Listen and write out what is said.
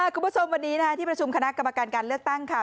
คุณผู้ชมวันนี้ที่ประชุมคณะกรรมการการเลือกตั้งค่ะ